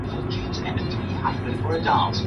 na inafanya kazi chini ya mdhamini wake mkuu